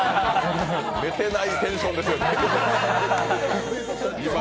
寝てないテンションです。